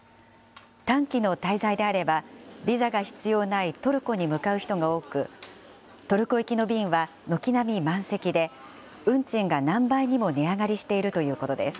短期の滞在であれば、ビザが必要ないトルコに向かう人が多く、トルコ行きの便は、軒並み満席で、運賃が何倍にも値上がりしているということです。